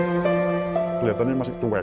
dan mereka juga berusaha ingin mendongkarnya